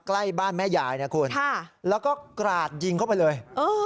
ใกล้บ้านแม่ยายนะคุณค่ะแล้วก็กราดยิงเข้าไปเลยเออ